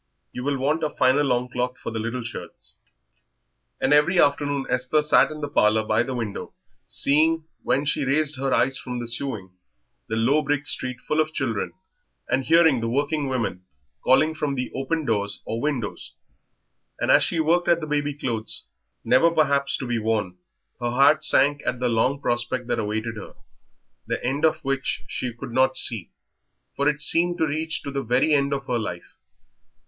You will want a finer longcloth for the little shirts." And every afternoon Esther sat in the parlour by the window, seeing, when she raised her eyes from the sewing, the low brick street full of children, and hearing the working women calling from the open doors or windows; and as she worked at the baby clothes, never perhaps to be worn, her heart sank at the long prospect that awaited her, the end of which she could not see, for it seemed to reach to the very end of her life.